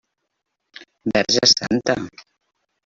Verge Santa!